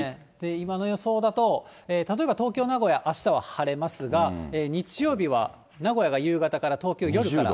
今の予想だと、例えば東京、名古屋、あしたは晴れますが、日曜日は名古屋が夕方から、東京、夜から。